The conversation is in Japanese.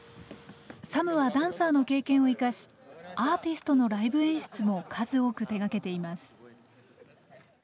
ＳＡＭはダンサーの経験を生かしアーティストのライブ演出も数多く手がけています。